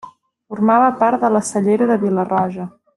Formava part de la Cellera de Vila-roja.